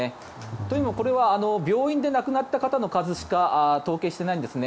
というのはこれは病院で亡くなった方の数しか統計していないんですね。